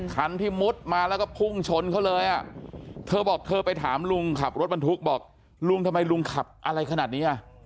คันที่มุดมาแล้วก็พุ่งชนเขาเลยอ่ะเธอบอกเธอไปถามลุงขับรถบรรทุกบอกลุงทำไมลุงขับอะไรขนาดนี้อ่ะ